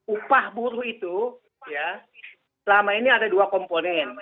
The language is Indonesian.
upah buruh itu selama ini ada dua komponen